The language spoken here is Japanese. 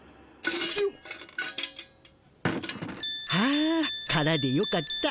あ空でよかった。